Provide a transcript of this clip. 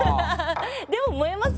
でも萌えますよね。